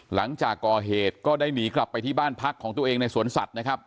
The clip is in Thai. หลังจากก่อเหตุก็ได้หนีกลับไปที่บ้านพักของตัวเองในสวนสัตว์นะครับ